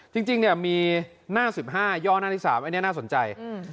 จริงมีหน้า๑๕ย่อนหน้าที่๓น่าสนใจ